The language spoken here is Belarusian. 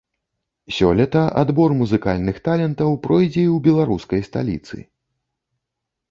Сёлета адбор музыкальных талентаў пройдзе і ў беларускай сталіцы.